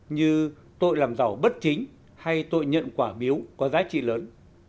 như tội làm giàu bất chính hay tội nhận quả biếu có giá trị lớn